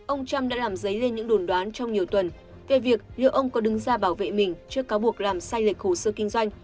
ông trump đã làm dấy lên những đồn đoán trong nhiều tuần về việc liệu ông có đứng ra bảo vệ mình trước cáo buộc làm sai lệch hồ sơ kinh doanh